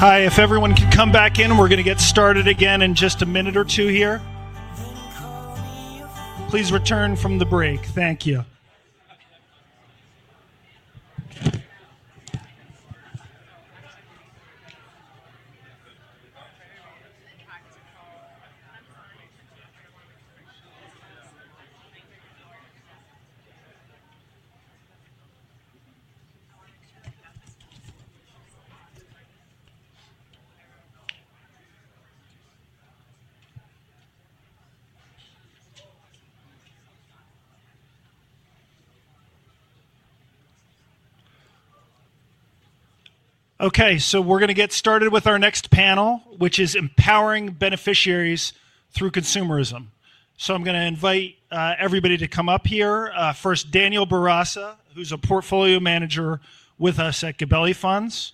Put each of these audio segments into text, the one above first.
Hi, if everyone can come back in, we're going to get started again in just a minute or two here. Please return from the break. Thank you. Okay, we're going to get started with our next panel, which is Empowering Beneficiaries Through Consumerism. I'm going to invite everybody to come up here. First, Daniel Barasa, who's a Portfolio Manager with us at Gabelli Funds.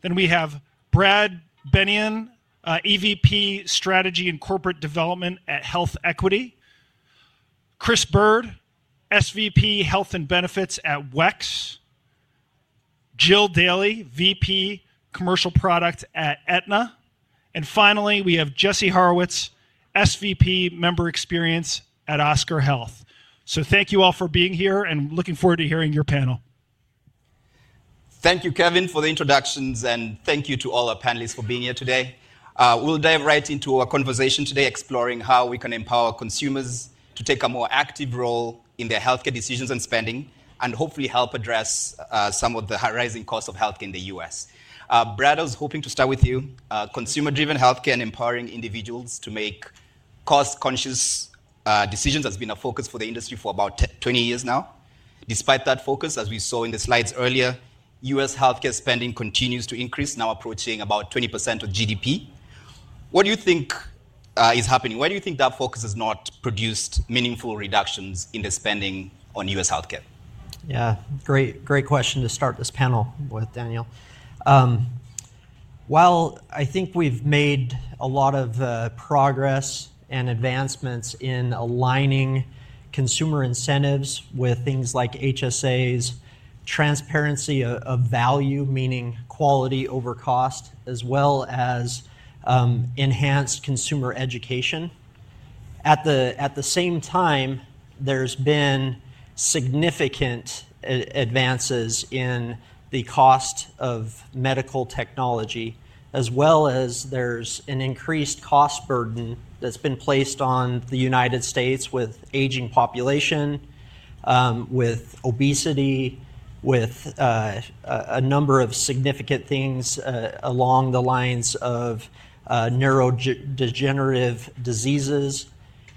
Then we have Brad Bennion, EVP Strategy and Corporate Development at Health Equity. Chris Byrd, SVP Health and Benefits at WEX. Jill Daly, VP, Commercial Product at Aetna. Finally, we have Jesse Horowitz, SVP Member Experience at Oscar Health. Thank you all for being here, and looking forward to hearing your panel. Thank you, Kevin, for the introductions, and thank you to all our panelists for being here today. We'll dive right into our conversation today, exploring how we can empower consumers to take a more active role in their healthcare decisions and spending, and hopefully help address some of the rising costs of healthcare in the U.S. Brad is hoping to start with you. Consumer-driven healthcare and empowering individuals to make cost-conscious decisions has been a focus for the industry for about 20 years now. Despite that focus, as we saw in the slides earlier, U.S. healthcare spending continues to increase, now approaching about 20% of GDP. What do you think is happening? Why do you think that focus has not produced meaningful reductions in the spending on U.S. healthcare? Yeah, great question to start this panel with, Daniel. While I think we've made a lot of progress and advancements in aligning consumer incentives with things like HSAs, transparency of value, meaning quality over cost, as well as enhanced consumer education. At the same time, there's been significant advances in the cost of medical technology, as well as there's an increased cost burden that's been placed on the United States with aging population, with obesity, with a number of significant things along the lines of neurodegenerative diseases.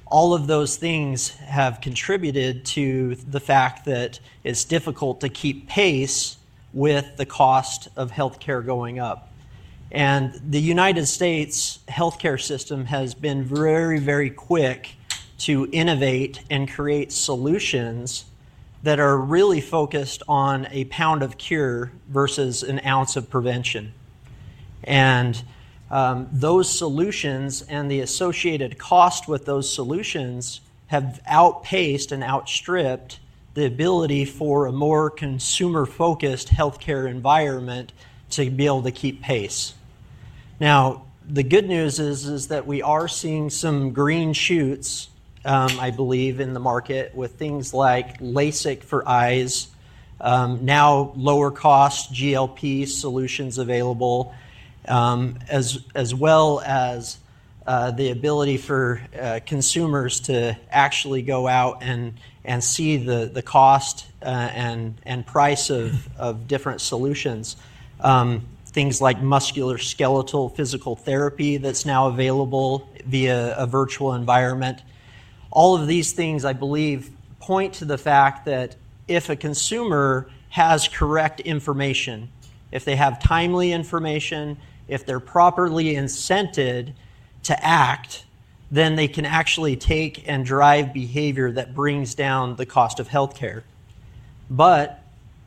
All of those things have contributed to the fact that it's difficult to keep pace with the cost of healthcare going up. The United States healthcare system has been very, very quick to innovate and create solutions that are really focused on a pound of cure versus an ounce of prevention. Those solutions and the associated cost with those solutions have outpaced and outstripped the ability for a more consumer-focused healthcare environment to be able to keep pace. The good news is that we are seeing some green shoots, I believe, in the market with things like LASIK for eyes, now lower-cost GLP solutions available, as well as the ability for consumers to actually go out and see the cost and price of different solutions. Things like musculoskeletal physical therapy that is now available via a virtual environment. All of these things, I believe, point to the fact that if a consumer has correct information, if they have timely information, if they are properly incented to act, then they can actually take and drive behavior that brings down the cost of healthcare.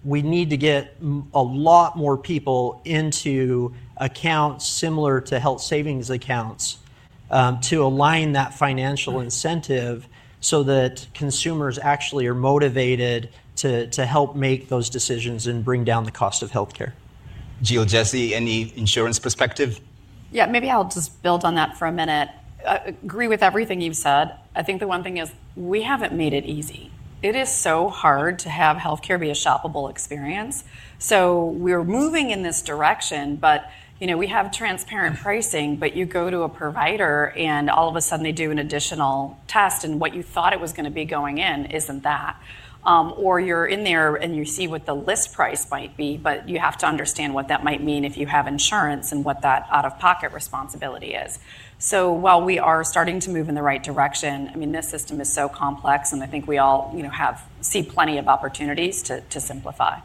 We need to get a lot more people into accounts similar to health savings accounts to align that financial incentive so that consumers actually are motivated to help make those decisions and bring down the cost of healthcare. Jill, Jesse, any insurance perspective? Yeah, maybe I'll just build on that for a minute. I agree with everything you've said. I think the one thing is we haven't made it easy. It is so hard to have healthcare be a shoppable experience. We're moving in this direction, but we have transparent pricing, but you go to a provider and all of a sudden they do an additional test and what you thought it was going to be going in isn't that. Or you're in there and you see what the list price might be, but you have to understand what that might mean if you have insurance and what that out-of-pocket responsibility is. While we are starting to move in the right direction, I mean, this system is so complex and I think we all see plenty of opportunities to simplify.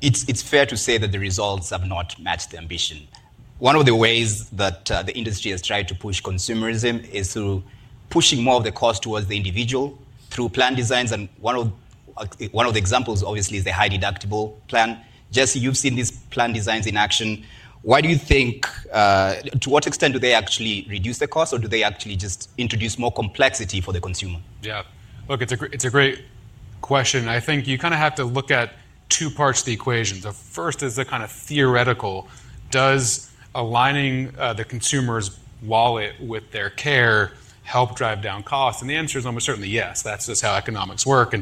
It is fair to say that the results have not matched the ambition. One of the ways that the industry has tried to push consumerism is through pushing more of the cost towards the individual through plan designs. One of the examples, obviously, is the high deductible plan. Jesse, you have seen these plan designs in action. Why do you think, to what extent do they actually reduce the cost, or do they actually just introduce more complexity for the consumer? Yeah, look, it's a great question. I think you kind of have to look at two parts of the equation. The first is the kind of theoretical. Does aligning the consumer's wallet with their care help drive down costs? The answer is almost certainly yes. That's just how economics work.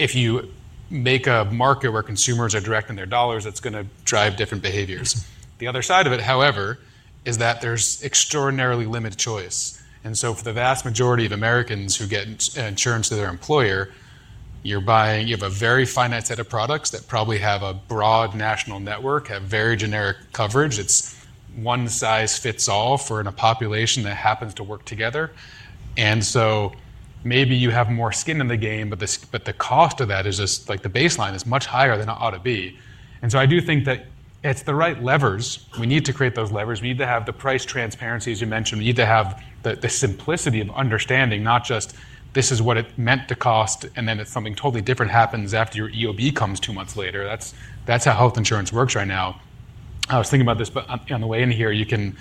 If you make a market where consumers are directing their dollars, it's going to drive different behaviors. The other side of it, however, is that there's extraordinarily limited choice. For the vast majority of Americans who get insurance through their employer, you have a very finite set of products that probably have a broad national network, have very generic coverage. It's one size fits all for a population that happens to work together. Maybe you have more skin in the game, but the cost of that is just like the baseline is much higher than it ought to be. I do think that it's the right levers. We need to create those levers. We need to have the price transparency, as you mentioned. We need to have the simplicity of understanding, not just this is what it meant to cost, and then something totally different happens after your EOB comes two months later. That's how health insurance works right now. I was thinking about this, but on the way in here, you can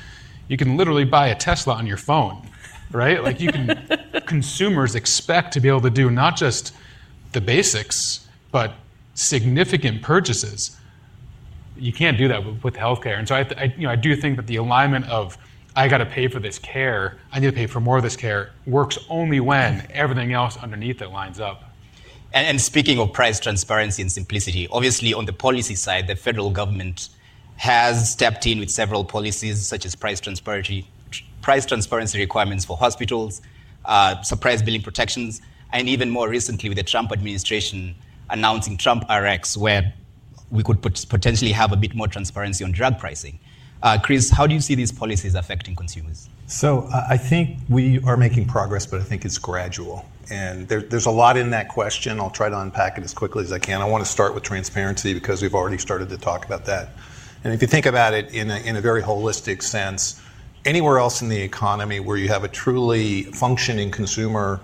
literally buy a Tesla on your phone, right? Consumers expect to be able to do not just the basics, but significant purchases. You can't do that with healthcare. I do think that the alignment of, I got to pay for this care, I need to pay for more of this care, works only when everything else underneath it lines up. Speaking of price transparency and simplicity, obviously on the policy side, the federal government has stepped in with several policies such as price transparency requirements for hospitals, surprise billing protections, and even more recently with the Trump administration announcing Trump RX, where we could potentially have a bit more transparency on drug pricing. Chris, how do you see these policies affecting consumers? I think we are making progress, but I think it's gradual. There's a lot in that question. I'll try to unpack it as quickly as I can. I want to start with transparency because we've already started to talk about that. If you think about it in a very holistic sense, anywhere else in the economy where you have a truly functioning consumer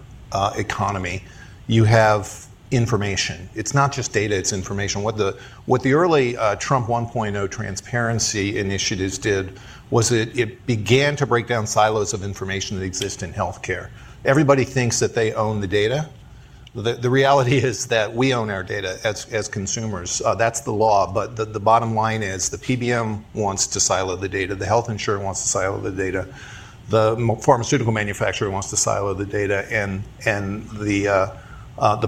economy, you have information. It's not just data, it's information. What the early Trump 1.0 transparency initiatives did was it began to break down silos of information that exist in healthcare. Everybody thinks that they own the data. The reality is that we own our data as consumers. That's the law. The bottom line is the PBM wants to silo the data, the health insurer wants to silo the data, the pharmaceutical manufacturer wants to silo the data, and the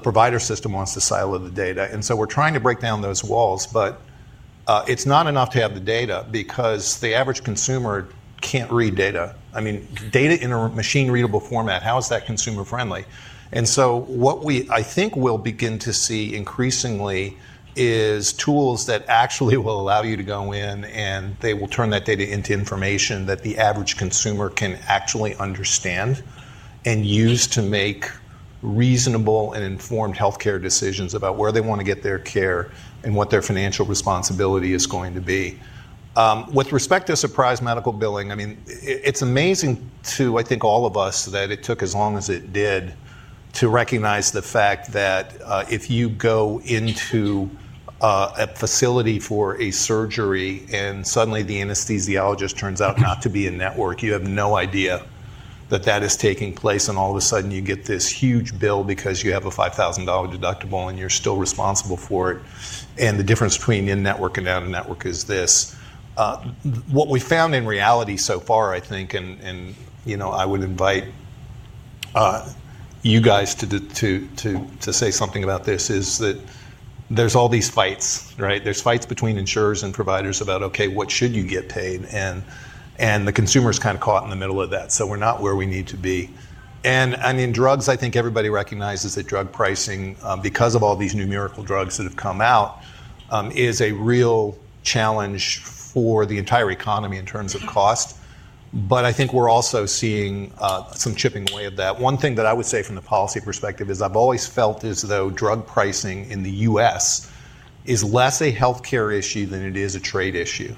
provider system wants to silo the data. We are trying to break down those walls, but it's not enough to have the data because the average consumer can't read data. I mean, data in a machine-readable format, how is that consumer-friendly? What I think we will begin to see increasingly is tools that actually will allow you to go in and they will turn that data into information that the average consumer can actually understand and use to make reasonable and informed healthcare decisions about where they want to get their care and what their financial responsibility is going to be. With respect to surprise medical billing, I mean, it's amazing to, I think, all of us that it took as long as it did to recognize the fact that if you go into a facility for a surgery and suddenly the anesthesiologist turns out not to be in network, you have no idea that that is taking place and all of a sudden you get this huge bill because you have a $5,000 deductible and you're still responsible for it. The difference between in network and out of network is this. What we found in reality so far, I think, and I would invite you guys to say something about this, is that there's all these fights, right? There's fights between insurers and providers about, okay, what should you get paid? The consumer's kind of caught in the middle of that. We're not where we need to be. I mean, drugs, I think everybody recognizes that drug pricing, because of all these numerical drugs that have come out, is a real challenge for the entire economy in terms of cost. I think we're also seeing some chipping away at that. One thing that I would say from the policy perspective is I've always felt as though drug pricing in the U.S. is less a healthcare issue than it is a trade issue.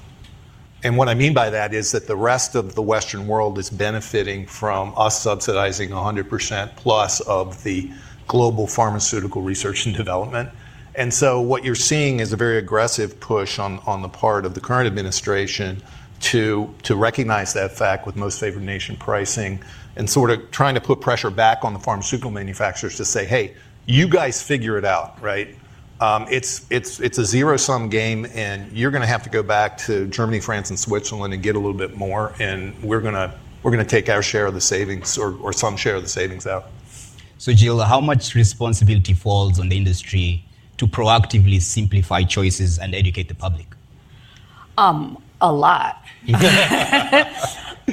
What I mean by that is that the rest of the Western world is benefiting from us subsidizing 100% plus of the global pharmaceutical research and development. What you're seeing is a very aggressive push on the part of the current administration to recognize that fact with most favored nation pricing and sort of trying to put pressure back on the pharmaceutical manufacturers to say, hey, you guys figure it out, right? It's a zero-sum game and you're going to have to go back to Germany, France, and Switzerland and get a little bit more, and we're going to take our share of the savings or some share of the savings out. Jill, how much responsibility falls on the industry to proactively simplify choices and educate the public? A lot.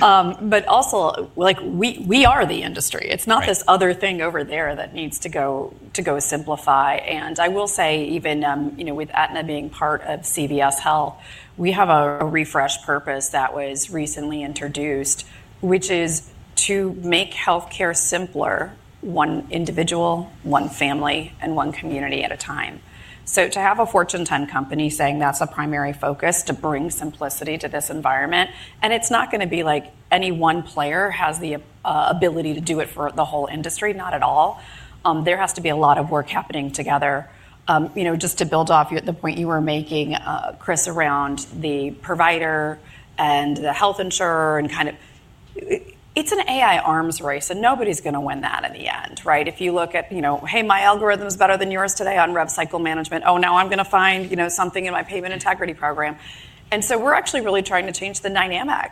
Also, we are the industry. It's not this other thing over there that needs to go simplify. I will say even with Aetna being part of CVS Health, we have a refresh purpose that was recently introduced, which is to make healthcare simpler, one individual, one family, and one community at a time. To have a Fortune 10 company saying that's a primary focus to bring simplicity to this environment, it's not going to be like any one player has the ability to do it for the whole industry, not at all. There has to be a lot of work happening together just to build off the point you were making, Chris, around the provider and the health insurer and kind of it's an AI arms race and nobody's going to win that in the end, right? If you look at, hey, my algorithm is better than yours today on rev cycle management, oh now I'm going to find something in my payment integrity program. We are actually really trying to change the dynamic.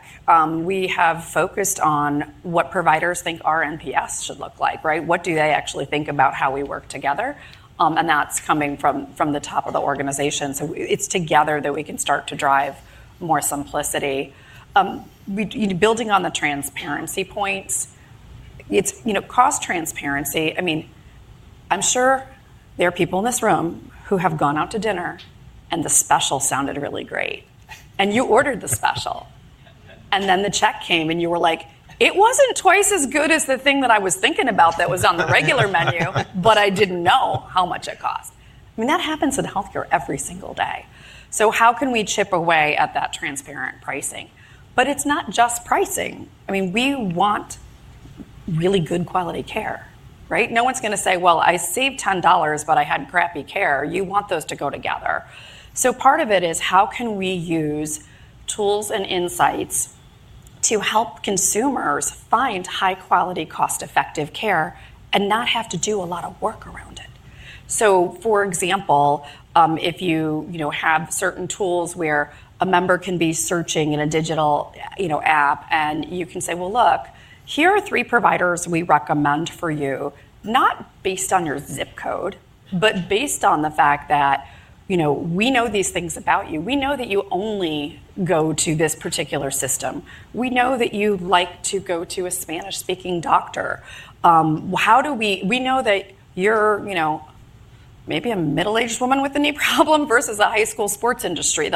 We have focused on what providers think our NPS should look like, right? What do they actually think about how we work together? That is coming from the top of the organization. It is together that we can start to drive more simplicity. Building on the transparency points, it is cost transparency. I mean, I'm sure there are people in this room who have gone out to dinner and the special sounded really great. You ordered the special. The check came and you were like, it was not twice as good as the thing that I was thinking about that was on the regular menu, but I did not know how much it cost. I mean, that happens in healthcare every single day. How can we chip away at that transparent pricing? It is not just pricing. I mean, we want really good quality care, right? No one is going to say, I saved $10, but I had crappy care. You want those to go together. Part of it is how can we use tools and insights to help consumers find high-quality, cost-effective care and not have to do a lot of work around it. For example, if you have certain tools where a member can be searching in a digital app and you can say, well, look, here are three providers we recommend for you, not based on your zip code, but based on the fact that we know these things about you. We know that you only go to this particular system. We know that you like to go to a Spanish-speaking doctor. We know that you are maybe a middle-aged woman with a knee problem versus a high school sports industry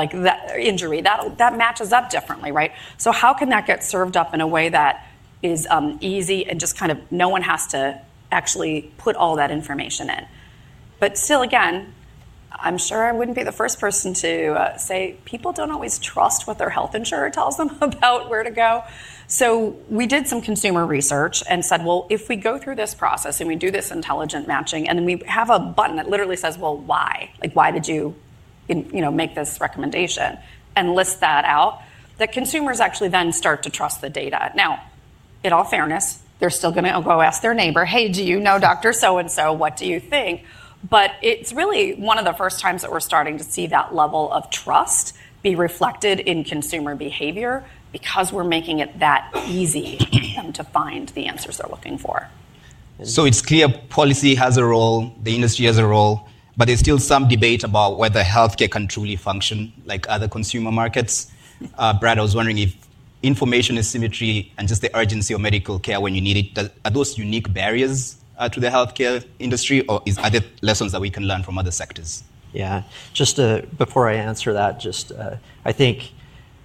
injury. That matches up differently, right? How can that get served up in a way that is easy and just kind of no one has to actually put all that information in? Still, again, I am sure I would not be the first person to say people do not always trust what their health insurer tells them about where to go. We did some consumer research and said, if we go through this process and we do this intelligent matching and then we have a button that literally says, why? Like why did you make this recommendation and list that out? The consumers actually then start to trust the data. Now, in all fairness, they're still going to go ask their neighbor, hey, do you know Dr. So-and-So? What do you think? It is really one of the first times that we're starting to see that level of trust be reflected in consumer behavior because we're making it that easy for them to find the answers they're looking for. It's clear policy has a role, the industry has a role, but there's still some debate about whether healthcare can truly function like other consumer markets. Brad, I was wondering if information asymmetry and just the urgency of medical care when you need it, are those unique barriers to the healthcare industry or are there lessons that we can learn from other sectors? Yeah, just before I answer that, just I think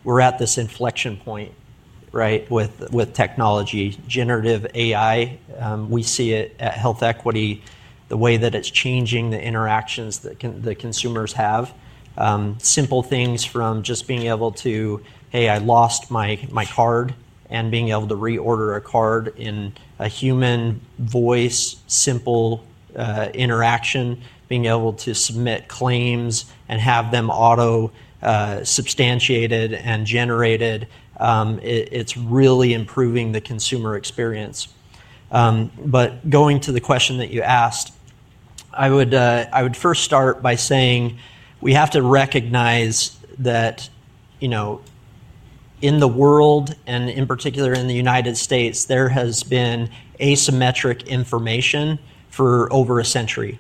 we're at this inflection point, right, with technology, generative AI. We see it at Health Equity, the way that it's changing the interactions that consumers have. Simple things from just being able to, hey, I lost my card and being able to reorder a card in a human voice, simple interaction, being able to submit claims and have them auto-substantiated and generated. It's really improving the consumer experience. Going to the question that you asked, I would first start by saying we have to recognize that in the world and in particular in the United States, there has been asymmetric information for over a century.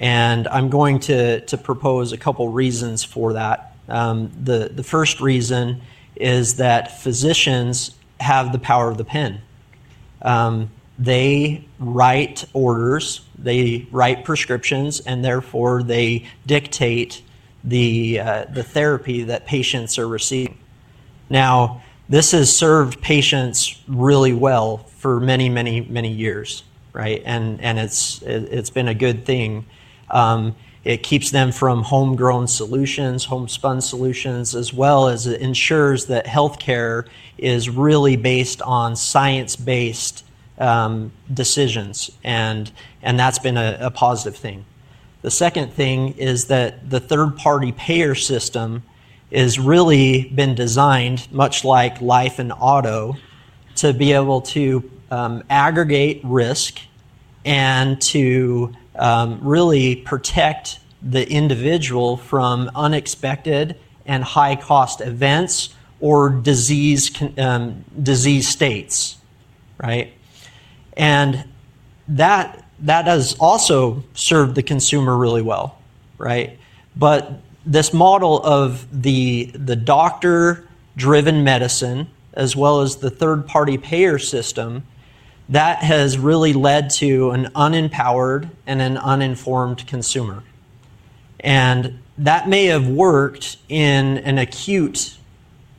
I'm going to propose a couple of reasons for that. The first reason is that physicians have the power of the pen. They write orders, they write prescriptions, and therefore they dictate the therapy that patients are receiving. Now, this has served patients really well for many, many, many years, right? It has been a good thing. It keeps them from homegrown solutions, home-spun solutions, as well as it ensures that healthcare is really based on science-based decisions. That has been a positive thing. The second thing is that the third-party payer system has really been designed much like life and auto to be able to aggregate risk and to really protect the individual from unexpected and high-cost events or disease states, right? That has also served the consumer really well, right? This model of the doctor-driven medicine, as well as the third-party payer system, has really led to an unempowered and an uninformed consumer. That may have worked in an acute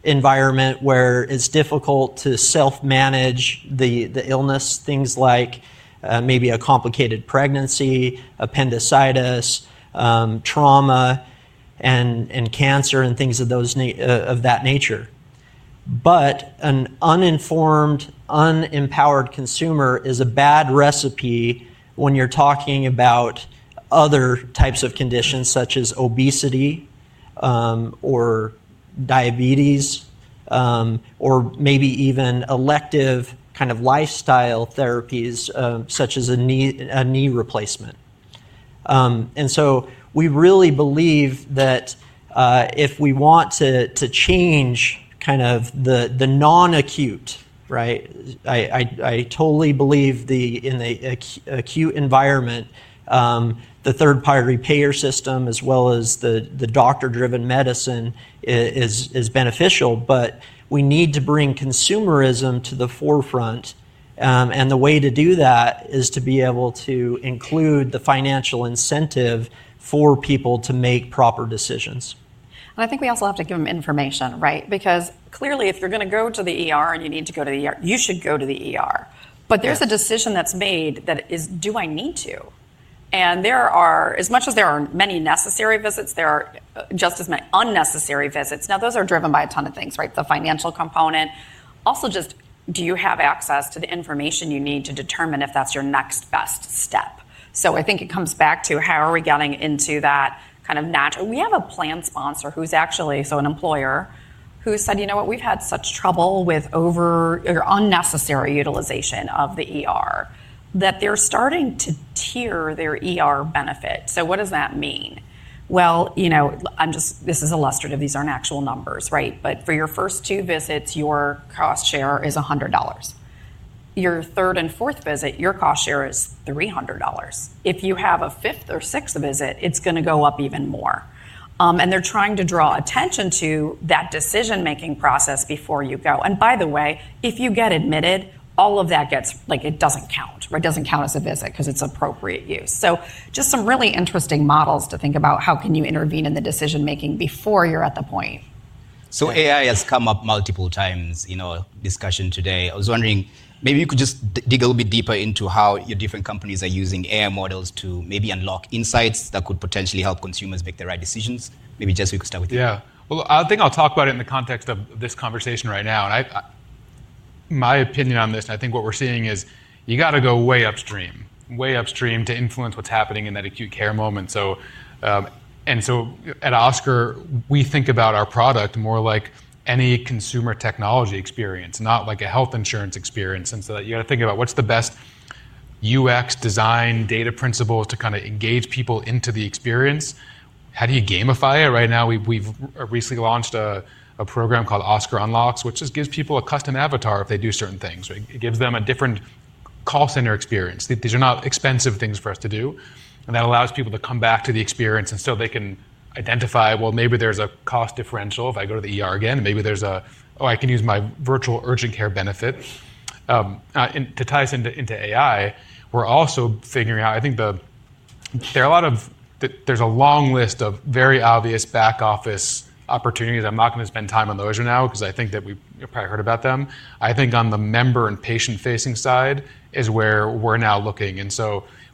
environment where it's difficult to self-manage the illness, things like maybe a complicated pregnancy, appendicitis, trauma, and cancer and things of that nature. An uninformed, unempowered consumer is a bad recipe when you're talking about other types of conditions such as obesity or diabetes or maybe even elective kind of lifestyle therapies such as a knee replacement. We really believe that if we want to change kind of the non-acute, right? I totally believe in the acute environment, the third-party payer system as well as the doctor-driven medicine is beneficial, but we need to bring consumerism to the forefront. The way to do that is to be able to include the financial incentive for people to make proper decisions. I think we also have to give them information, right? Because clearly if you're going to go to the and you need to go to the you should go to the. There's a decision that's made that is, do I need to? As much as there are many necessary visits, there are just as many unnecessary visits. Those are driven by a ton of things, right? The financial component. Also just do you have access to the information you need to determine if that's your next best step? I think it comes back to how are we getting into that kind of natural? We have a plan sponsor who's actually, so an employer who said, you know what, we've had such trouble with over or unnecessary utilization of the that they're starting to tier their benefit. What does that mean? This is illustrative. These aren't actual numbers, right? For your first two visits, your cost share is $100. Your third and fourth visit, your cost share is $300. If you have a fifth or sixth visit, it's going to go up even more. They're trying to draw attention to that decision-making process before you go. By the way, if you get admitted, all of that gets, like, it doesn't count, right? It doesn't count as a visit because it's appropriate use. Just some really interesting models to think about how can you intervene in the decision-making before you're at the point. AI has come up multiple times in our discussion today. I was wondering, maybe you could just dig a little bit deeper into how your different companies are using AI models to maybe unlock insights that could potentially help consumers make the right decisions. Maybe Jess, we could start with you. Yeah. I think I'll talk about it in the context of this conversation right now. My opinion on this, and I think what we're seeing is you got to go way upstream, way upstream to influence what's happening in that acute care moment. At Oscar, we think about our product more like any consumer technology experience, not like a health insurance experience. You got to think about what's the best UX design data principles to kind of engage people into the experience. How do you gamify it? Right now, we've recently launched a program called Oscar Unlocks, which just gives people a custom avatar if they do certain things. It gives them a different call center experience. These are not expensive things for us to do. That allows people to come back to the experience and so they can identify, well, maybe there's a cost differential if I go to the again. Maybe there's a, oh, I can use my virtual urgent care benefit. To tie us into AI, we're also figuring out, I think there are a lot of, there's a long list of very obvious back office opportunities. I'm not going to spend time on those right now because I think that we've probably heard about them. I think on the member and patient-facing side is where we're now looking.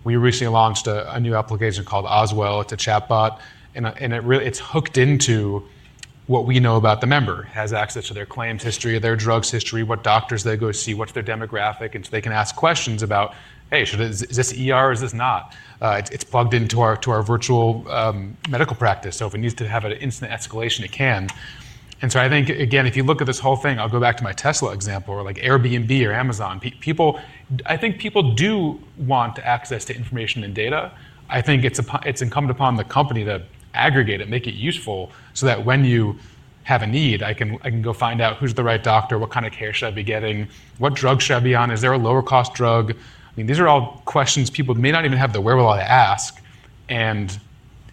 We recently launched a new application called Oswell. It's a chatbot. It's hooked into what we know about the member, has access to their claims history, their drugs history, what doctors they go see, what's their demographic. They can ask questions about, hey, is this or is this not? It's plugged into our virtual medical practice. If it needs to have an instant escalation, it can. I think, again, if you look at this whole thing, I'll go back to my Tesla example or like Airbnb or Amazon. I think people do want access to information and data. I think it's incumbent upon the company to aggregate it, make it useful so that when you have a need, I can go find out who's the right doctor, what kind of care should I be getting, what drug should I be on, is there a lower-cost drug? I mean, these are all questions people may not even have the wherewithal to ask.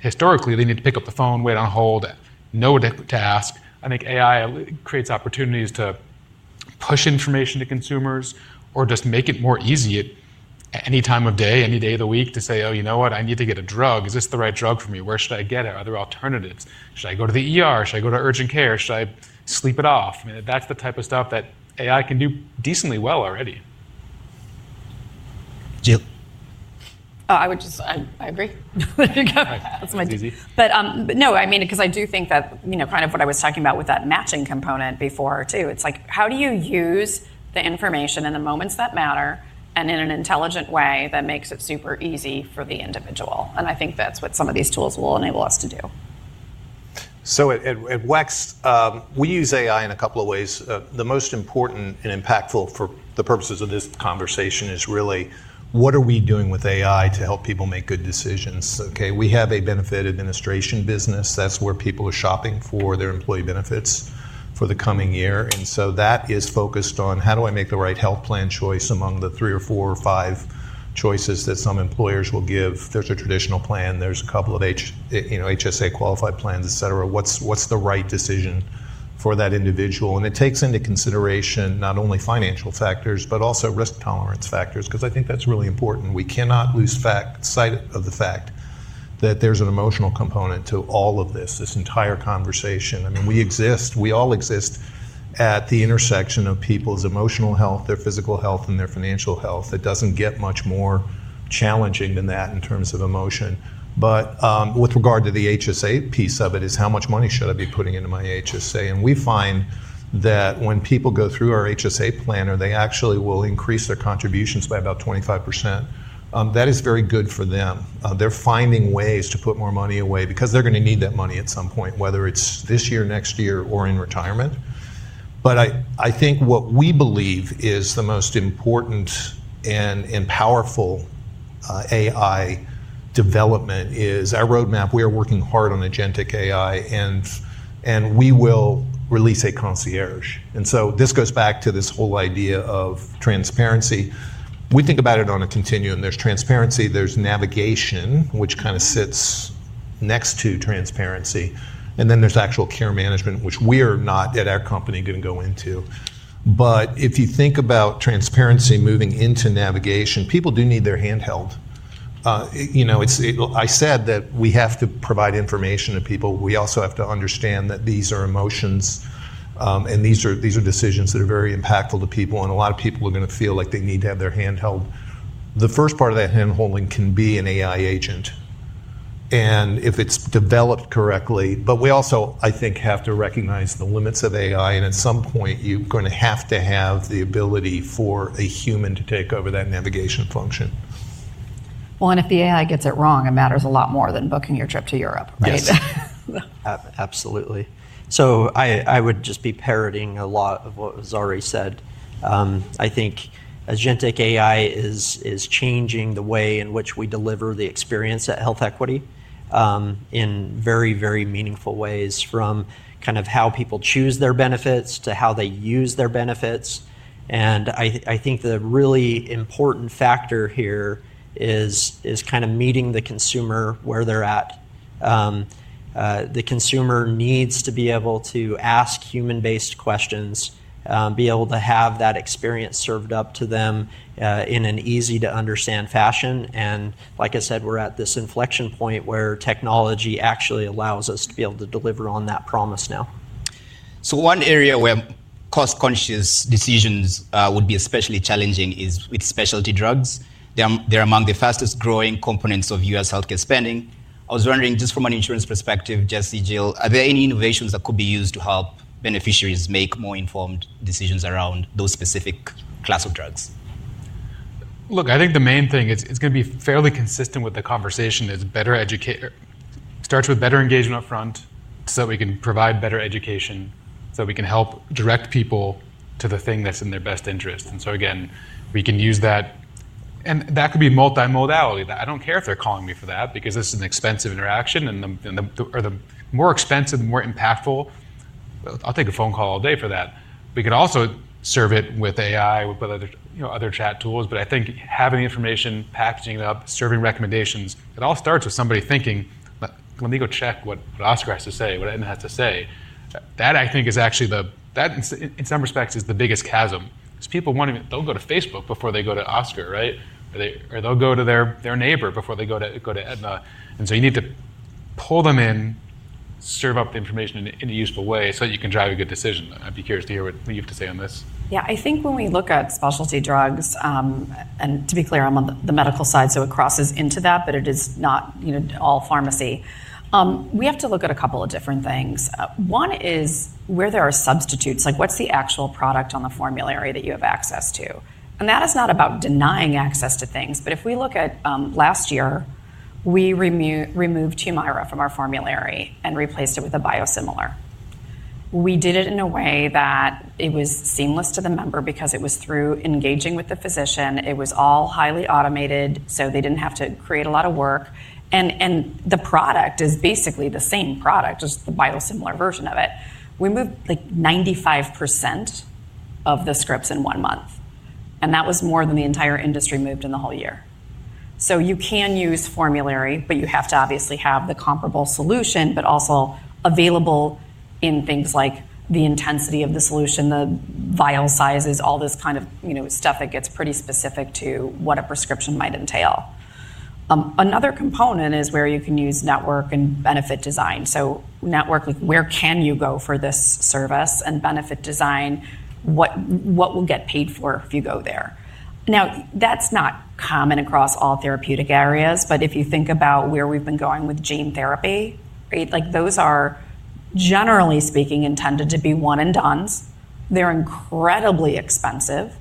Historically, they need to pick up the phone, wait on hold, know what to ask. I think AI creates opportunities to push information to consumers or just make it more easy at any time of day, any day of the week to say, oh, you know what, I need to get a drug. Is this the right drug for me? Where should I get it? Are there alternatives? Should I go to urgent care? Should I sleep it off? I mean, that's the type of stuff that AI can do decently well already. Jill. Oh, I would just, I agree. That's my take. No, I mean, because I do think that kind of what I was talking about with that matching component before too, it's like how do you use the information in the moments that matter and in an intelligent way that makes it super easy for the individual? I think that's what some of these tools will enable us to do. At WEX, we use AI in a couple of ways. The most important and impactful for the purposes of this conversation is really what are we doing with AI to help people make good decisions? We have a benefit administration business. That's where people are shopping for their employee benefits for the coming year. That is focused on how do I make the right health plan choice among the three or four or five choices that some employers will give? There's a traditional plan, there's a couple of HSA qualified plans, et cetera. What's the right decision for that individual? It takes into consideration not only financial factors, but also risk tolerance factors because I think that's really important. We cannot lose sight of the fact that there's an emotional component to all of this, this entire conversation. I mean, we exist, we all exist at the intersection of people's emotional health, their physical health, and their financial health. It does not get much more challenging than that in terms of emotion. With regard to the HSA piece of it, it is how much money should I be putting into my HSA? We find that when people go through our HSA planner, they actually will increase their contributions by about 25%. That is very good for them. They are finding ways to put more money away because they are going to need that money at some point, whether it is this year, next year, or in retirement. I think what we believe is the most important and powerful AI development is our roadmap. We are working hard on agentic AI and we will release a concierge. This goes back to this whole idea of transparency. We think about it on a continuum. There is transparency, there is navigation, which kind of sits next to transparency. Then there is actual care management, which we are not at our company going to go into. If you think about transparency moving into navigation, people do need their hand held. I said that we have to provide information to people. We also have to understand that these are emotions and these are decisions that are very impactful to people. A lot of people are going to feel like they need to have their hand held. The first part of that handholding can be an AI agent if it is developed correctly. We also, I think, have to recognize the limits of AI and at some point you are going to have to have the ability for a human to take over that navigation function. If the AI gets it wrong, it matters a lot more than booking your trip to Europe, right? Absolutely. I would just be parroting a lot of what Zahry said. I think agentic AI is changing the way in which we deliver the experience at Health Equity in very, very meaningful ways from kind of how people choose their benefits to how they use their benefits. I think the really important factor here is kind of meeting the consumer where they're at. The consumer needs to be able to ask human-based questions, be able to have that experience served up to them in an easy-to-understand fashion. Like I said, we're at this inflection point where technology actually allows us to be able to deliver on that promise now. One area where cost-conscious decisions would be especially challenging is with specialty drugs. They're among the fastest-growing components of U.S. healthcare spending. I was wondering just from an insurance perspective, Jesse, Jill, are there any innovations that could be used to help beneficiaries make more informed decisions around those specific class of drugs? Look, I think the main thing is it's going to be fairly consistent with the conversation. It starts with better engagement upfront so that we can provide better education so that we can help direct people to the thing that's in their best interest. Again, we can use that. That could be multi-modality. I don't care if they're calling me for that because this is an expensive interaction and the more expensive, the more impactful. I'll take a phone call all day for that. We could also serve it with AI, with other chat tools. I think having the information, packaging it up, serving recommendations, it all starts with somebody thinking, let me go check what Oscar has to say, what Aetna has to say. That I think is actually, in some respects, the biggest chasm. Because people want to, they'll go to Facebook before they go to Oscar, right? Or they'll go to their neighbor before they go to Aetna. You need to pull them in, serve up the information in a useful way so that you can drive a good decision. I'd be curious to hear what you have to say on this. Yeah, I think when we look at specialty drugs, and to be clear, I'm on the medical side, so it crosses into that, but it is not all pharmacy. We have to look at a couple of different things. One is where there are substitutes, like what's the actual product on the formulary that you have access to? That is not about denying access to things, but if we look at last year, we removed Humira from our formulary and replaced it with a biosimilar. We did it in a way that it was seamless to the member because it was through engaging with the physician. It was all highly automated so they did not have to create a lot of work. The product is basically the same product, just the biosimilar version of it. We moved like 95% of the scripts in one month. That was more than the entire industry moved in the whole year. You can use formulary, but you have to obviously have the comparable solution, but also available in things like the intensity of the solution, the vial sizes, all this kind of stuff that gets pretty specific to what a prescription might entail. Another component is where you can use network and benefit design. Network, where can you go for this service and benefit design? What will get paid for if you go there? That's not common across all therapeutic areas, but if you think about where we've been going with gene therapy, those are generally speaking intended to be one-and-dones. They're incredibly expensive.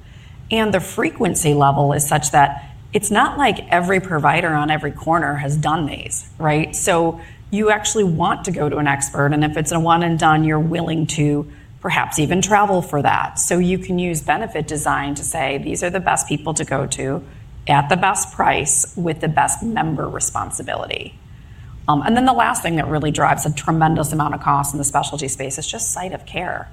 The frequency level is such that it's not like every provider on every corner has done these, right? You actually want to go to an expert. If it's a one-and-done, you're willing to perhaps even travel for that. You can use benefit design to say, these are the best people to go to at the best price with the best member responsibility. The last thing that really drives a tremendous amount of cost in the specialty space is just site of care.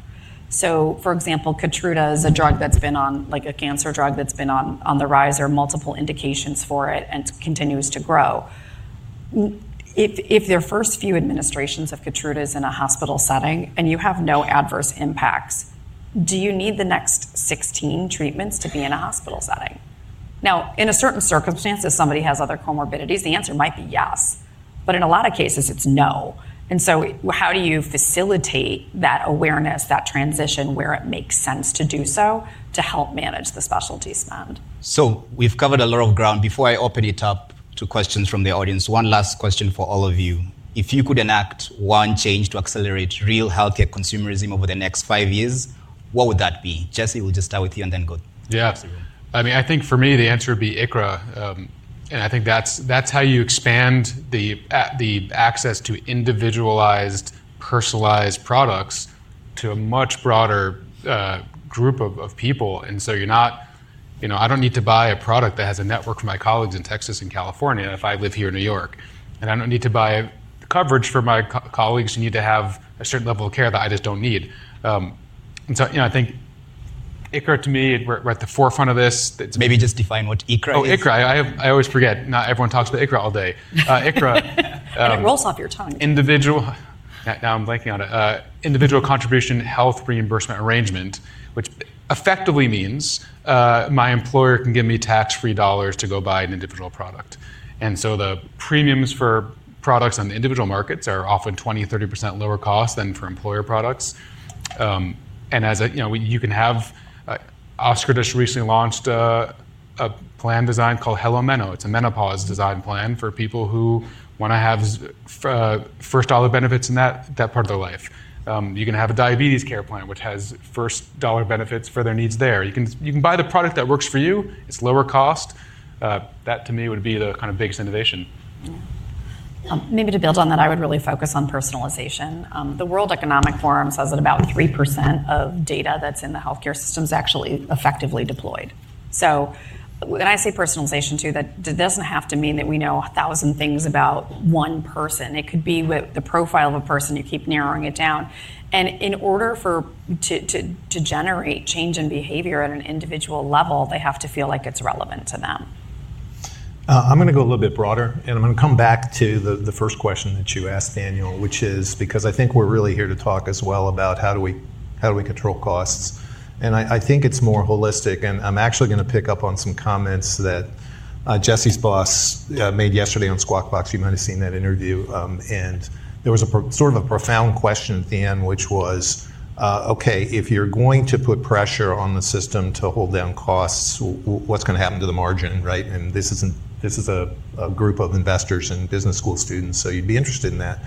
For example, Keytruda is a drug that's been on, like a cancer drug that's been on the rise or multiple indications for it and continues to grow. If there are first few administrations of Keytruda in a hospital setting and you have no adverse impacts, do you need the next 16 treatments to be in a hospital setting? Now, in a certain circumstance, if somebody has other comorbidities, the answer might be yes. In a lot of cases, it's no. How do you facilitate that awareness, that transition where it makes sense to do so to help manage the specialty spend? We have covered a lot of ground. Before I open it up to questions from the audience, one last question for all of you. If you could enact one change to accelerate real healthcare consumerism over the next five years, what would that be? Jesse, we will just start with you and then go. Yeah, absolutely. I mean, I think for me, the answer would be ICHRA. And I think that's how you expand the access to individualized, personalized products to a much broader group of people. You know, I don't need to buy a product that has a network for my colleagues in Texas and California if I live here in New York. I don't need to buy coverage for my colleagues who need to have a certain level of care that I just don't need. I think ICHRA to me, we're at the forefront of this. Maybe just define what ICHRA is. Oh, ICHRA. I always forget. Not everyone talks about ICHRA all day. ICHRA. It rolls off your tongue. Individual, now I'm blanking on it. Individual Coverage Health Reimbursement Arrangement, which effectively means my employer can give me tax-free dollars to go buy an individual product. The premiums for products on the individual markets are often 20%-30% lower cost than for employer products. As you can have, Oscar just recently launched a plan design called Hello Meno. It's a menopause design plan for people who want to have first dollar benefits in that part of their life. You can have a diabetes care plan, which has first dollar benefits for their needs there. You can buy the product that works for you. It's lower cost. That to me would be the kind of biggest innovation. Maybe to build on that, I would really focus on personalization. The World Economic Forum says that about 3% of data that's in the healthcare system is actually effectively deployed. When I say personalization too, that does not have to mean that we know a thousand things about one person. It could be the profile of a person. You keep narrowing it down. In order for it to generate change in behavior at an individual level, they have to feel like it's relevant to them. I'm going to go a little bit broader, and I'm going to come back to the first question that you asked, Daniel, which is because I think we're really here to talk as well about how do we control costs. I think it's more holistic. I'm actually going to pick up on some comments that Jesse's boss made yesterday on Squawk Box. You might have seen that interview. There was a sort of a profound question at the end, which was, okay, if you're going to put pressure on the system to hold down costs, what's going to happen to the margin, right? This is a group of investors and business school students, so you'd be interested in that.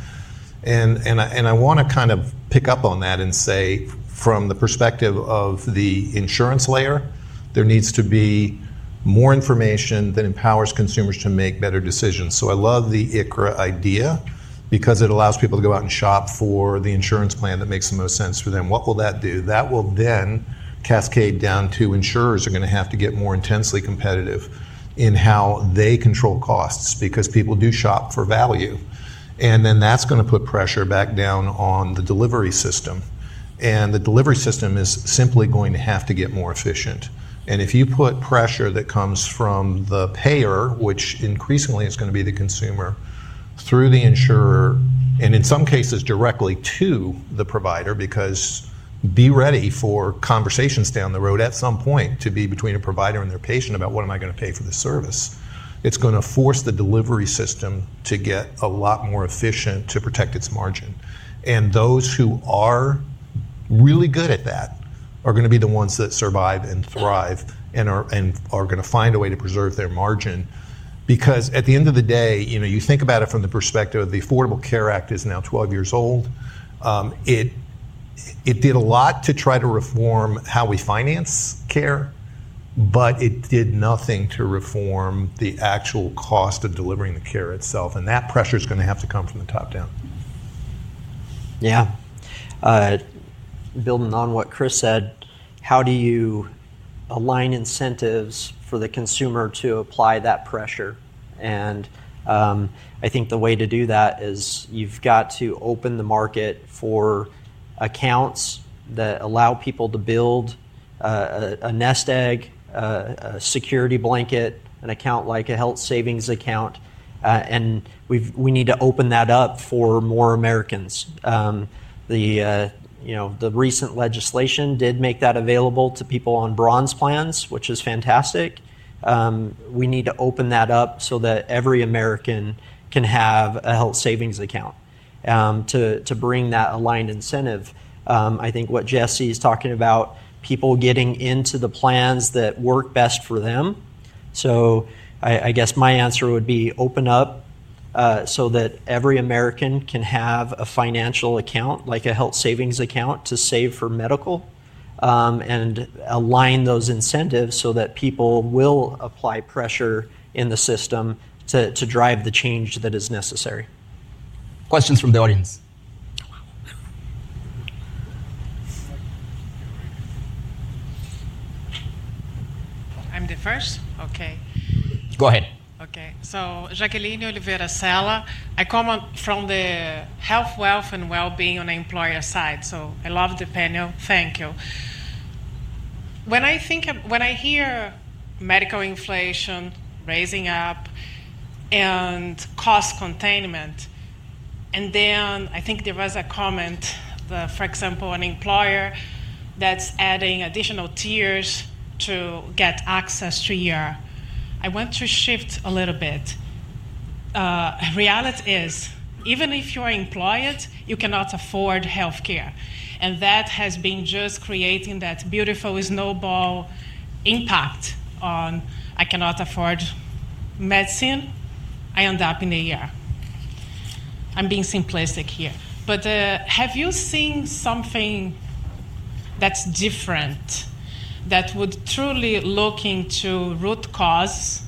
I want to kind of pick up on that and say from the perspective of the insurance layer, there needs to be more information that empowers consumers to make better decisions. I love the ICHRA idea because it allows people to go out and shop for the insurance plan that makes the most sense for them. What will that do? That will then cascade down to insurers are going to have to get more intensely competitive in how they control costs because people do shop for value. That is going to put pressure back down on the delivery system. The delivery system is simply going to have to get more efficient. If you put pressure that comes from the payer, which increasingly is going to be the consumer, through the insurer, and in some cases directly to the provider, because be ready for conversations down the road at some point to be between a provider and their patient about what am I going to pay for the service. It's going to force the delivery system to get a lot more efficient to protect its margin. Those who are really good at that are going to be the ones that survive and thrive and are going to find a way to preserve their margin. Because at the end of the day, you think about it from the perspective of the Affordable Care Act is now 12 years old. It did a lot to try to reform how we finance care, but it did nothing to reform the actual cost of delivering the care itself. That pressure is going to have to come from the top down. Yeah. Building on what Chris said, how do you align incentives for the consumer to apply that pressure? I think the way to do that is you've got to open the market for accounts that allow people to build a nest egg, a security blanket, an account like a health savings account. We need to open that up for more Americans. The recent legislation did make that available to people on bronze plans, which is fantastic. We need to open that up so that every American can have a health savings account to bring that aligned incentive. I think what Jesse is talking about, people getting into the plans that work best for them. I guess my answer would be open up so that every American can have a financial account, like a health savings account to save for medical and align those incentives so that people will apply pressure in the system to drive the change that is necessary. Questions from the audience. I'm the first. Okay. Go ahead. Okay. Jacqueline Olivera Sala. I come from the health, wealth, and well-being on the employer side. I love the panel. Thank you. When I think, when I hear medical inflation rising up and cost containment, and then I think there was a comment that, for example, an employer that's adding additional tiers to get access to your, I want to shift a little bit. Reality is, even if you are employed, you cannot afford healthcare. That has been just creating that beautiful snowball impact on, I cannot afford medicine, I end up in a year. I'm being simplistic here. Have you seen something that's different that would truly look into root cause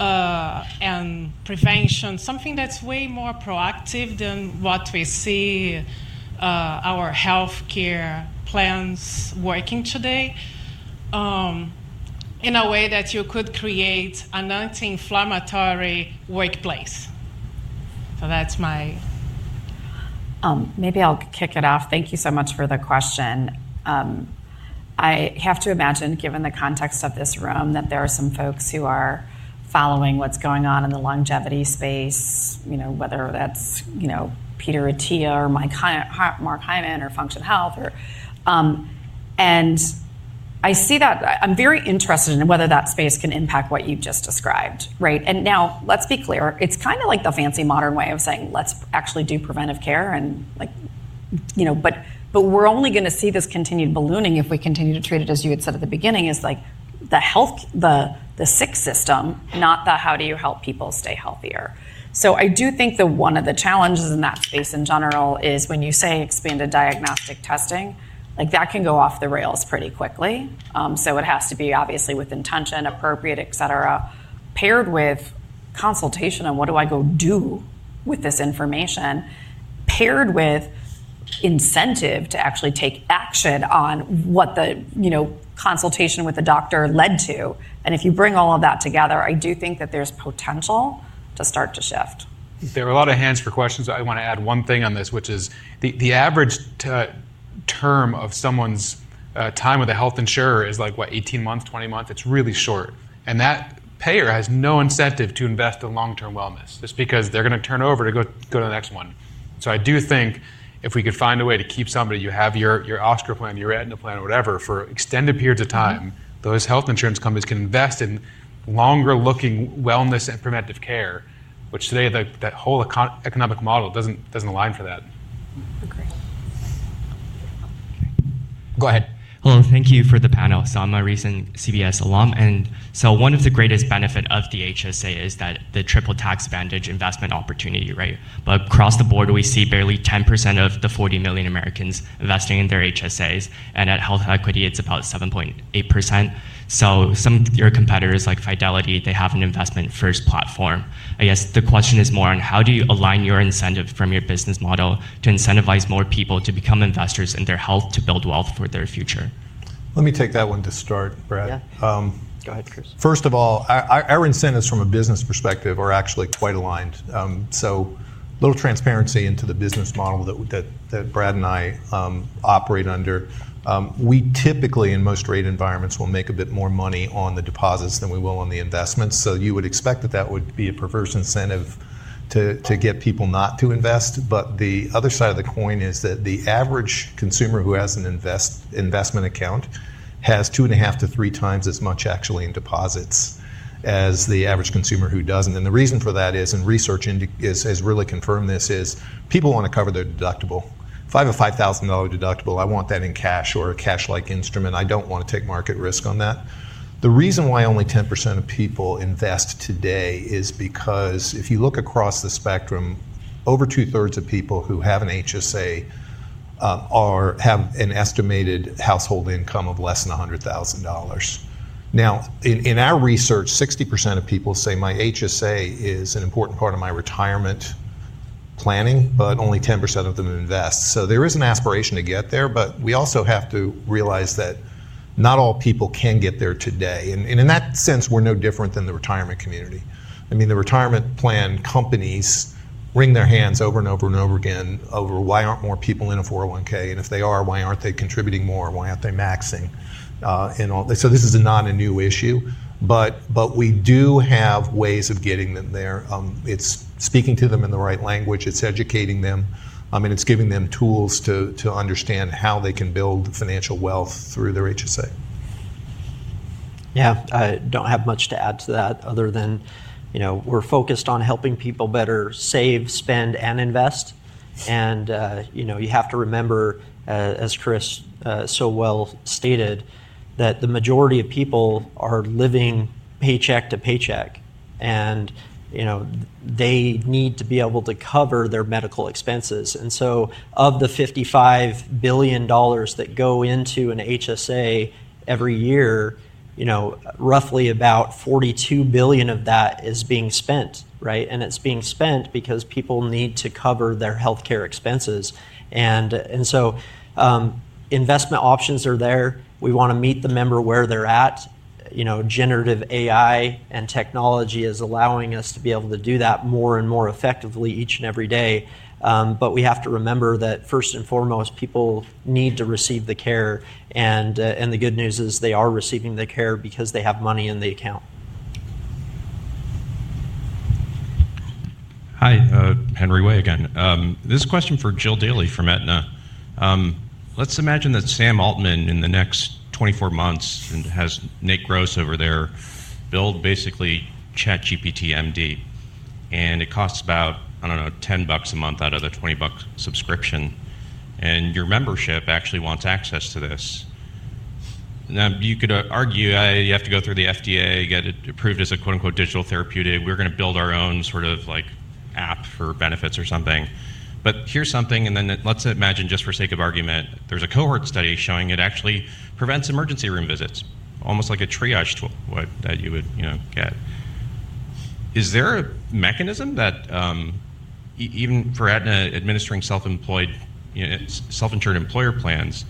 and prevention, something that's way more proactive than what we see our healthcare plans working today in a way that you could create an anti-inflammatory workplace? That's my. Maybe I'll kick it off. Thank you so much for the question. I have to imagine, given the context of this room, that there are some folks who are following what's going on in the longevity space, whether that's Peter Attia or Mark Hyman or Functional Health. I see that I'm very interested in whether that space can impact what you've just described, right? Now let's be clear. It's kind of like the fancy modern way of saying, let's actually do preventive care. We're only going to see this continued ballooning if we continue to treat it, as you had said at the beginning, as like the health, the sick system, not the how do you help people stay healthier. I do think that one of the challenges in that space in general is when you say expanded diagnostic testing, like that can go off the rails pretty quickly. It has to be obviously with intention, appropriate, et cetera, paired with consultation on what do I go do with this information, paired with incentive to actually take action on what the consultation with the doctor led to. If you bring all of that together, I do think that there's potential to start to shift. There are a lot of hands for questions. I want to add one thing on this, which is the average term of someone's time with a health insurer is like what, 18 months, 20 months? It's really short. That payer has no incentive to invest in long-term wellness just because they're going to turn over to go to the next one. I do think if we could find a way to keep somebody, you have your Oscar plan, your Aetna plan, whatever, for extended periods of time, those health insurance companies can invest in longer looking wellness and preventive care, which today that whole economic model doesn't align for that. Go ahead. Hello. Thank you for the panel. I'm a recent CBS alum. One of the greatest benefits of the HSA is the triple tax advantage investment opportunity, right? Across the board, we see barely 10% of the 40 million Americans investing in their HSAs. At Health Equity, it's about 7.8%. Some of your competitors like Fidelity have an investment-first platform. I guess the question is more on how do you align your incentive from your business model to incentivize more people to become investors in their health to build wealth for their future? Let me take that one to start, Brad. Yeah. Go ahead, Chris. First of all, our incentives from a business perspective are actually quite aligned. A little transparency into the business model that Brad and I operate under. We typically, in most rate environments, will make a bit more money on the deposits than we will on the investments. You would expect that that would be a perverse incentive to get people not to invest. The other side of the coin is that the average consumer who has an investment account has two and a half to three times as much actually in deposits as the average consumer who does not. The reason for that is, and research has really confirmed this, people want to cover their deductible. If I have a $5,000 deductible, I want that in cash or a cash-like instrument. I do not want to take market risk on that. The reason why only 10% of people invest today is because if you look across the spectrum, over two-thirds of people who have an HSA have an estimated household income of less than $100,000. Now, in our research, 60% of people say, "My HSA is an important part of my retirement planning," but only 10% of them invest. There is an aspiration to get there, but we also have to realize that not all people can get there today. In that sense, we're no different than the retirement community. I mean, the retirement plan companies wring their hands over and over and over again over, "Why aren't more people in a 401(k)? And if they are, why aren't they contributing more? Why aren't they maxing?" This is not a new issue, but we do have ways of getting them there. It's speaking to them in the right language. It's educating them. I mean, it's giving them tools to understand how they can build financial wealth through their HSA. Yeah. I do not have much to add to that other than we are focused on helping people better save, spend, and invest. You have to remember, as Chris so well stated, that the majority of people are living paycheck to paycheck, and they need to be able to cover their medical expenses. Of the $55 billion that go into an HSA every year, roughly about $42 billion of that is being spent, right? It is being spent because people need to cover their healthcare expenses. Investment options are there. We want to meet the member where they are at. Generative AI and technology is allowing us to be able to do that more and more effectively each and every day. We have to remember that first and foremost, people need to receive the care. The good news is they are receiving the care because they have money in the account. Hi, Henry Wei again. This is a question for Jill Daly from Aetna. Let's imagine that Sam Altman in the next 24 months has Nate Gross over there build basically ChatGPT MD. And it costs about, I don't know, $10 a month out of the $20 subscription. And your membership actually wants access to this. Now, you could argue you have to go through the FDA, get it approved as a "digital therapeutic." We're going to build our own sort of app for benefits or something. Here's something, and then let's imagine just for sake of argument, there's a cohort study showing it actually prevents emergency room visits, almost like a triage tool that you would get. Is there a mechanism that even for Aetna administering self-insured employer plans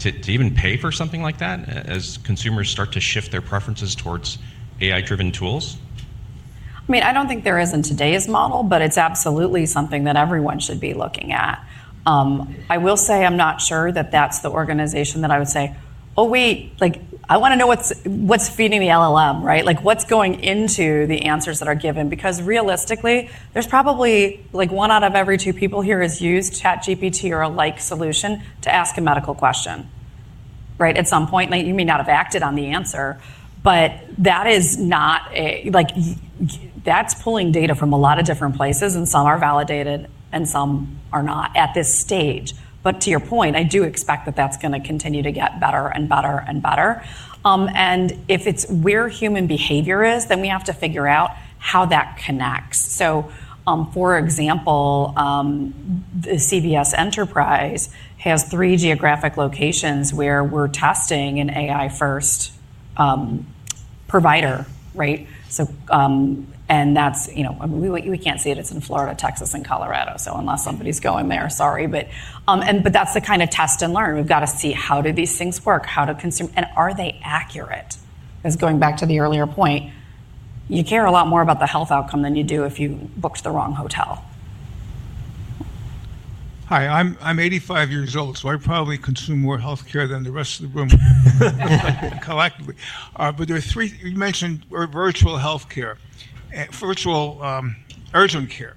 to even pay for something like that as consumers start to shift their preferences towards AI-driven tools? I mean, I do not think there is in today's model, but it is absolutely something that everyone should be looking at. I will say I am not sure that that is the organization that I would say, "Oh, wait, I want to know what is feeding the LLM," right? Like what is going into the answers that are given? Because realistically, there is probably one out of every two people here has used ChatGPT or a like solution to ask a medical question, right? At some point, you may not have acted on the answer, but that is not a that is pulling data from a lot of different places, and some are validated and some are not at this stage. To your point, I do expect that that is going to continue to get better and better and better. If it is where human behavior is, then we have to figure out how that connects. For example, the CVS Enterprise has three geographic locations where we're testing an AI-first provider, right? That's, we can't see it. It's in Florida, Texas, and Colorado. Unless somebody's going there, sorry. That's the kind of test and learn. We've got to see how do these things work, how to consume, and are they accurate? Because going back to the earlier point, you care a lot more about the health outcome than you do if you booked the wrong hotel. Hi, I'm 85 years old, so I probably consume more healthcare than the rest of the room collectively. There are three, you mentioned virtual healthcare, virtual urgent care.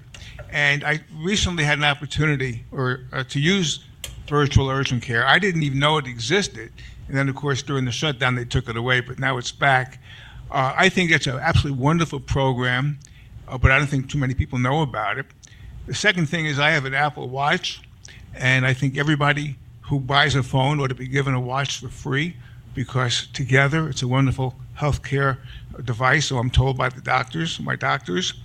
I recently had an opportunity to use virtual urgent care. I didn't even know it existed. During the shutdown, they took it away, but now it's back. I think it's an absolutely wonderful program. I don't think too many people know about it. The second thing is I have an Apple Watch, and I think everybody who buys a phone ought to be given a watch for free because together it's a wonderful healthcare device, or I'm told by my doctors.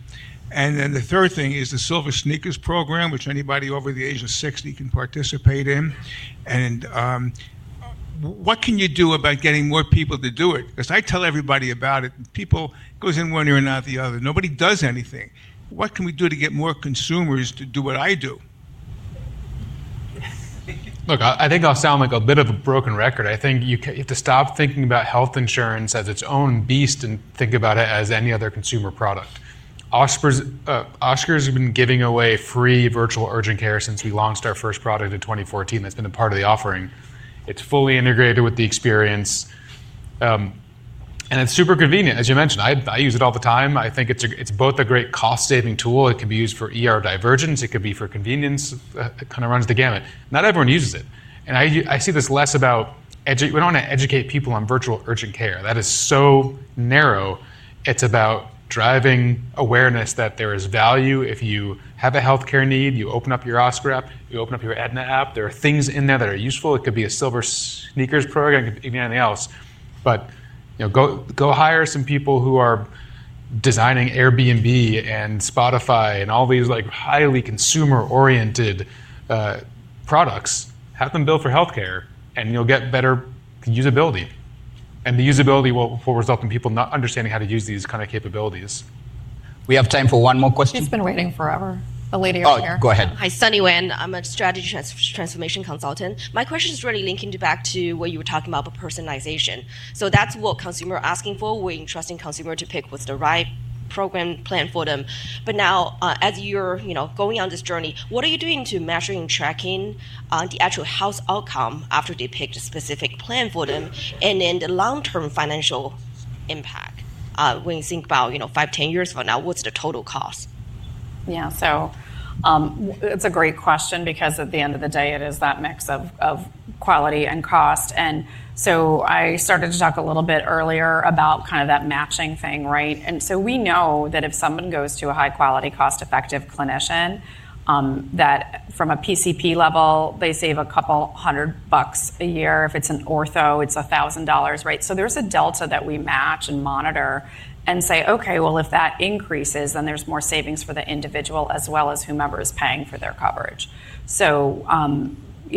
The third thing is the Silver Sneakers program, which anybody over the age of 60 can participate in. What can you do about getting more people to do it? Because I tell everybody about it, people go in one ear and out the other. Nobody does anything. What can we do to get more consumers to do what I do? Look, I think I'll sound like a bit of a broken record. I think you have to stop thinking about health insurance as its own beast and think about it as any other consumer product. Oscar's been giving away free virtual urgent care since we launched our first product in 2014. That's been a part of the offering. It's fully integrated with the experience. It's super convenient. As you mentioned, I use it all the time. I think it's both a great cost-saving tool. It can be used for divergence. It could be for convenience. It kind of runs the gamut. Not everyone uses it. I see this less about we don't want to educate people on virtual urgent care. That is so narrow. It's about driving awareness that there is value. If you have a healthcare need, you open up your Oscar app, you open up your Aetna app. There are things in there that are useful. It could be a Silver Sneakers program, it could be anything else. Go hire some people who are designing Airbnb and Spotify and all these highly consumer-oriented products. Have them build for healthcare and you'll get better usability. The usability will result in people not understanding how to use these kinds of capabilities. We have time for one more question. He's been waiting forever. A lady over here. Oh, go ahead. Hi, Sunny Wen. I'm a strategy transformation consultant. My question is really linking back to what you were talking about, personalization. That's what consumers are asking for. We're interested in consumers to pick what's the right program plan for them. Now, as you're going on this journey, what are you doing to measure and track the actual health outcome after they picked a specific plan for them and then the long-term financial impact? When you think about 5, 10 years from now, what's the total cost? Yeah. So it's a great question because at the end of the day, it is that mix of quality and cost. I started to talk a little bit earlier about kind of that matching thing, right? We know that if someone goes to a high-quality, cost-effective clinician, that from a PCP level, they save a couple hundred bucks a year. If it's an ortho, it's $1,000, right? There's a delta that we match and monitor and say, "Okay, well, if that increases, then there's more savings for the individual as well as whomever is paying for their coverage."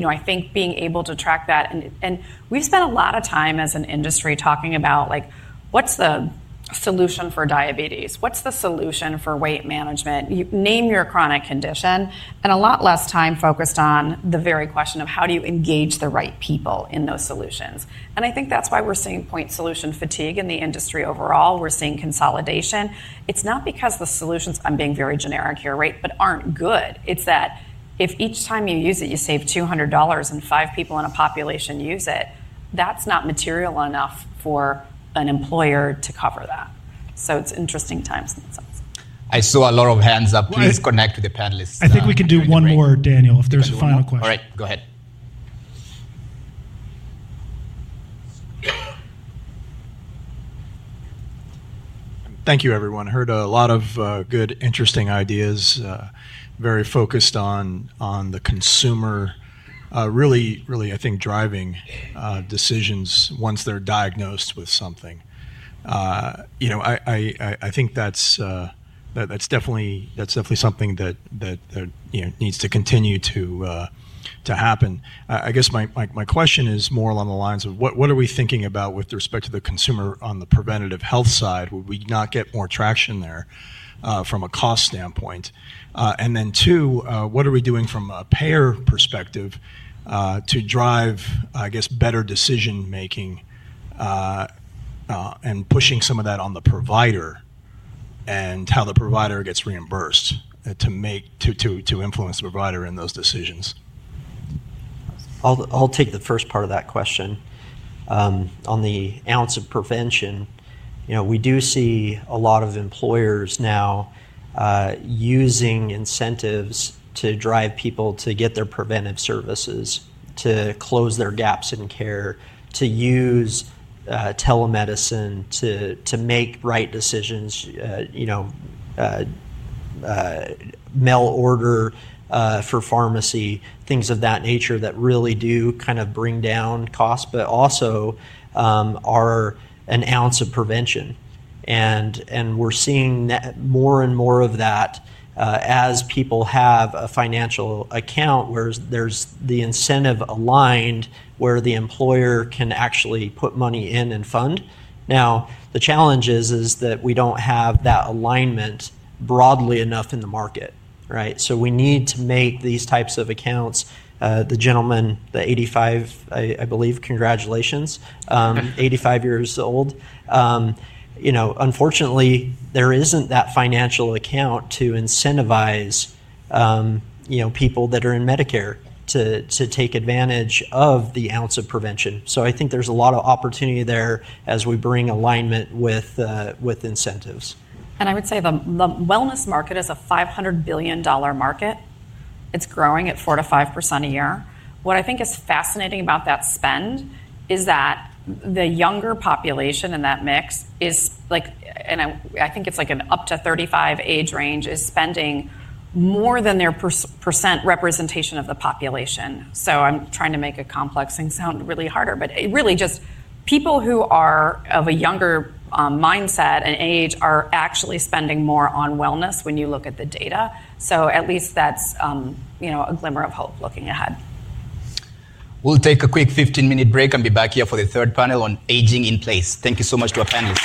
I think being able to track that, and we've spent a lot of time as an industry talking about what's the solution for diabetes? What's the solution for weight management? Name your chronic condition and a lot less time focused on the very question of how do you engage the right people in those solutions. I think that's why we're seeing point solution fatigue in the industry overall. We're seeing consolidation. It's not because the solutions, I'm being very generic here, right, but aren't good. It's that if each time you use it, you save $200 and five people in a population use it, that's not material enough for an employer to cover that. It's interesting times in that sense. I saw a lot of hands up. Please connect to the panelists. I think we can do one more, Daniel, if there's a final question. All right. Go ahead. Thank you, everyone. I heard a lot of good, interesting ideas, very focused on the consumer, really, really, I think, driving decisions once they're diagnosed with something. I think that's definitely something that needs to continue to happen. I guess my question is more along the lines of what are we thinking about with respect to the consumer on the preventative health side? Would we not get more traction there from a cost standpoint? And then two, what are we doing from a payer perspective to drive, I guess, better decision-making and pushing some of that on the provider and how the provider gets reimbursed to influence the provider in those decisions? I'll take the first part of that question. On the ounce of prevention, we do see a lot of employers now using incentives to drive people to get their preventive services, to close their gaps in care, to use telemedicine to make right decisions, mail order for pharmacy, things of that nature that really do kind of bring down costs, but also are an ounce of prevention. We are seeing more and more of that as people have a financial account where there is the incentive aligned where the employer can actually put money in and fund. Now, the challenge is that we do not have that alignment broadly enough in the market, right? We need to make these types of accounts. The gentleman, the 85, I believe, congratulations, 85 years old. Unfortunately, there isn't that financial account to incentivize people that are in Medicare to take advantage of the ounce of prevention. I think there's a lot of opportunity there as we bring alignment with incentives. I would say the wellness market is a $500 billion market. It's growing at 4-5% a year. What I think is fascinating about that spend is that the younger population in that mix is, and I think it's like an up to 35 age range, is spending more than their % representation of the population. I'm trying to make a complex thing sound really harder, but really just people who are of a younger mindset and age are actually spending more on wellness when you look at the data. At least that's a glimmer of hope looking ahead. We'll take a quick 15-minute break and be back here for the third panel on Aging in Place. Thank you so much to our panelists.